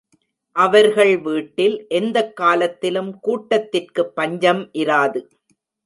அவர்கள் வீட்டில் எந்தக் காலத்திலும் கூட்டத்திற்குப் பஞ்சம் இராது.